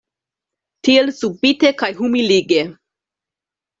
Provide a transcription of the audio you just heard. Tiel subite kaj humilige.